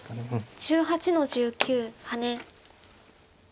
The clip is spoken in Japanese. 黒１８の十九ハネ。